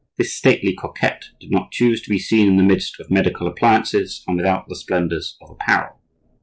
This stately coquette did not choose to be seen in the midst of medical appliances and without the splendors of apparel.